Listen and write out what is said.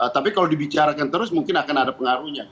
tapi kalau dibicarakan terus mungkin akan ada pengaruhnya